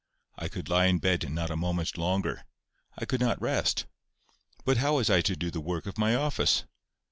I could lie in bed not a moment longer. I could not rest. But how was I to do the work of my office?